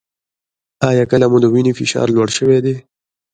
ایا کله مو د وینې فشار لوړ شوی دی؟